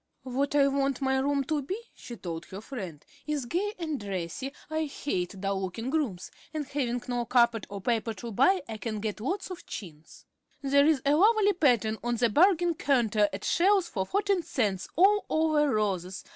"What I want my room to be," she told her friend, "is gay and dressy. I hate dull looking rooms, and having no carpet or paper to buy I can get lots of chintz. There's a lovely pattern on the bargain counter at Shell's for fourteen cents, all over roses.